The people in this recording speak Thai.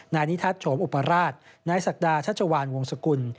นายนิทัศน์โฉมอุปราชนายศักดาชัชวานวงศกุล